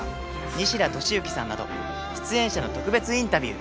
西田敏行さんなど出演者の特別インタビュー。